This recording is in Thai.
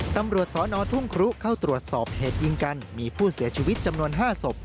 ตำรวจสอนอทุ่งครุเข้าตรวจสอบเหตุยิงกันมีผู้เสียชีวิตจำนวน๕ศพ